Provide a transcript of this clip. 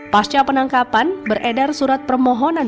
pasca penangkapan beredar surat permohonan